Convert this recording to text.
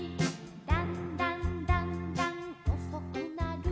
「だんだんだんだんおそくなる」